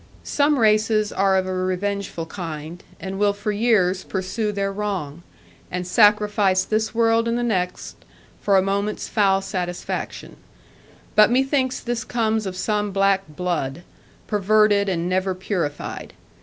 Some races are of revengeful kind, and will for years pursue their wrong, and sacrifice this world and the next for a moment's foul satisfaction, but methinks this comes of some black blood, perverted and never purified.